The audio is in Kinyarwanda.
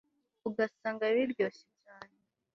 ugasanga biryoshye cyane